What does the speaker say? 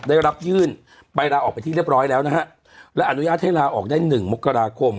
ได้รับยื่นใบลาออกไปที่เรียบร้อยแล้วนะฮะและอนุญาตให้ลาออกได้หนึ่งมกราคม